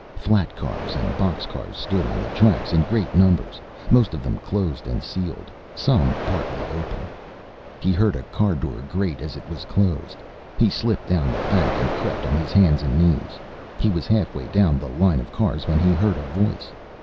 Flat cars and box cars stood on the tracks in great numbers, most of them closed and sealed some partly open. He heard a car door grate as it was closed. He slipped down the bank and crept on his hands and knees. He was halfway down the line of cars when he heard a voice.